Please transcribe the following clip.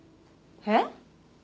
えっ？